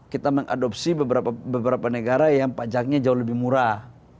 kita mengadopsi beberapa negara yang pajaknya jauh lebih murah